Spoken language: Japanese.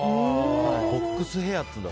ボックスヘアっていうんだ。